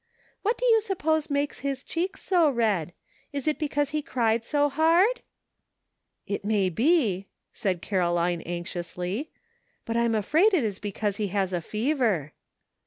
What do you suppose makes his cheeks so red ? Is it because he cried so hard ?" "It may be," said Caroline anxiously, "but I'm afraid it is because he has a fever."